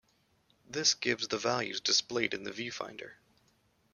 This gives the values displayed in the viewfinder.